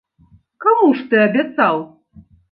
Каму ж ты абяцаў?